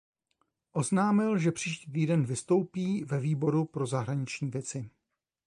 Oznámil, že příští týden vystoupí ve Výboru pro zahraniční věci.